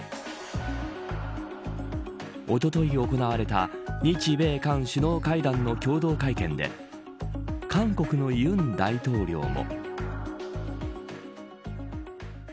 おととい行われた日米韓首脳会談の共同会見で韓国の尹大統領も。